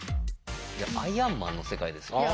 「アイアンマン」の世界ですよね。